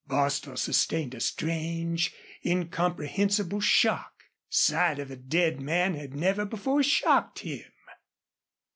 Bostil sustained a strange, incomprehensible shock. Sight of a dead man had never before shocked him.